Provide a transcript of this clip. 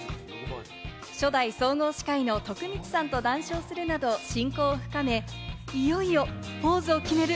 初代総合司会の徳光さんと談笑するなど親交を深め、いよいよポーズを決める